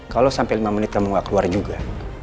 kalo sampe lima menit kamu gak keluar juga